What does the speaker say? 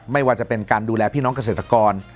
ไม่ว่าจะเป็นการดูแลพี่น้องเกษตรกร